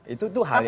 itu tuh hal yang